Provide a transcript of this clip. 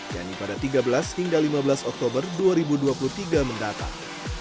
yaitu pada tiga belas hingga lima belas oktober dua ribu dua puluh tiga mendatang